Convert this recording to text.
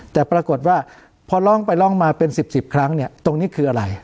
แต่ปรากฏว่าพอลองไปลองมาเป็นสิบครั้งตรงนี้คืออะไร